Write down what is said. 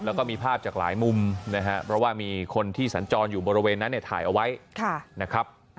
แล้วก็มีภาพจากหลายมุมนะครับเพราะว่ามีคนที่สัญจรอยู่บริเวณนั้นเนี่ยถ่ายเอาไว้นะครับ